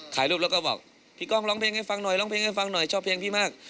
ถ่ายรูปแล้วก็บอกพี่ก้องร้องเพลงให้ฟังหน่อยร้องเพลงให้ฟังหน่อยชอบเพลงพี่มาก